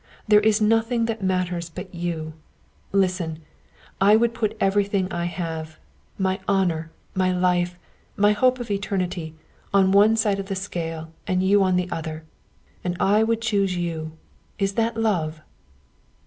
There is nothing that matters but you. Listen I would put everything I have my honor, my life, my hope of eternity on one side of the scale and you on the other. And I would choose you. Is that love?"